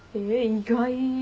意外？